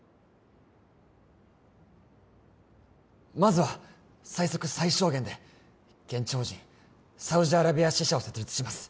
まずは最速最小限で現地法人サウジアラビア支社を設立します